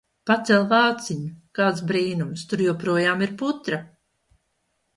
Pacel vāciņu! Kāds brīnums - tur joprojām ir putra!